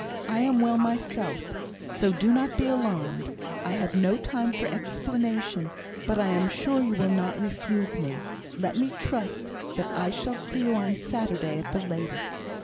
I am well myself, so do not be alarmed. I have no time for explanation, but I am sure you will not refuse me; let me trust that I shall see you on Saturday at the latest.